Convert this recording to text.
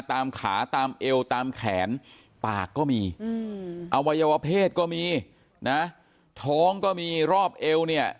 ตามขาตามเอวตามแขนปากก็มีอวัยวเพศก็มีนะท้องก็มีรอบเอวเนี่ย